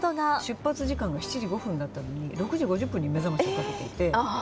出発時間が７時５分だったのに、６時５０分に目覚ましをかけていて。